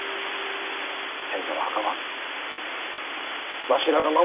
先祖の墓はわしらが守っちゃるき。